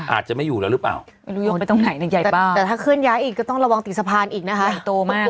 อาจจะไม่อยู่แล้วหรือเปล่าแต่ถ้าขึ้นย้ายอีกก็ต้องระวังติดสะพานอีกนะคะ